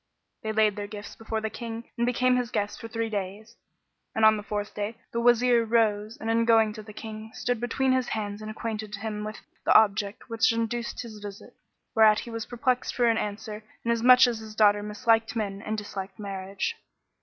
They laid their gifts before the King and became his guests for three days. And on the fourth day the Wazir rose and going in to the King, stood between his hands and acquainted him with the object which induced his visit; whereat he was perplexed for an answer inasmuch as his daughter misliked men and disliked marriage.